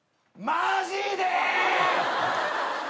マジで？